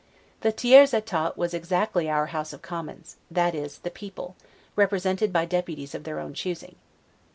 The Tiers Etat was exactly our House of Commons, that is, the people, represented by deputies of their own choosing.